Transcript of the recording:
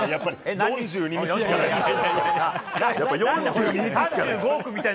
４２日しかないもんな。